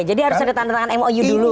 jadi harus ada tantangan mou dulu